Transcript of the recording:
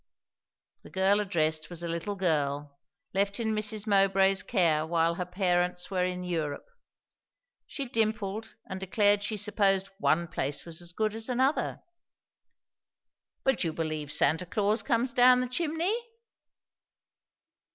The girl addressed was a little girl, left in Mrs. Mowbray's care while her parents were in Europe. She dimpled and declared she supposed one place was as good as another. "But you believe Santa Claus comes down the chimney?"